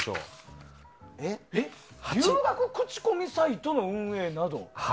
留学口コミサイトの運営など。